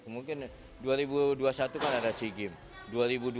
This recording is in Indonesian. mungkin dua ribu dua puluh satu kan ada sea games